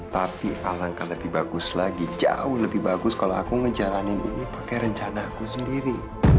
tapi alangkah lebih bagus lagi jauh lebih bagus kalau aku ngejalanin ini pakai rencana aku sendiri